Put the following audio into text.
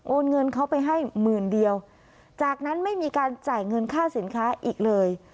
เงินเขาไปให้หมื่นเดียวจากนั้นไม่มีการจ่ายเงินค่าสินค้าอีกเลย